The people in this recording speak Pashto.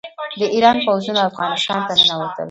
د ایران پوځونه افغانستان ته ننوتل.